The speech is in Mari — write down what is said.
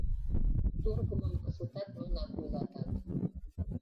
Тургымым кызытат нунак вуйлатат.